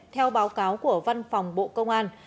theo báo cáo của văn phòng bộ công an